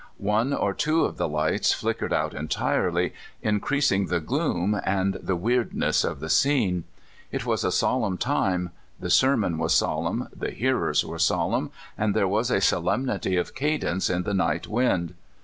One or two of the ligbt>^ 154 My First California Camp ineeting, flickered out entirely, increasing the gloom and the weirdness of the scene. It was a solemn time ; the sermon was solemn, the hearers were solemn, ajid there was a solemnity of cadence in the night wind.